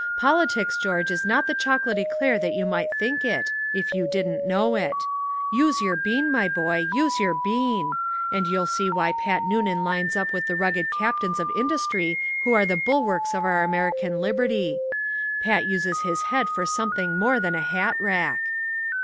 "Politics, George, is not the chocolate éclair that you might think it, if you didn't know it! Use your bean, my boy! Use your bean! And you'll see why Pat Noonan lines up with the rugged captains of industry who are the bulwarks of our American liberty. Pat uses his head for something more than a hatrack."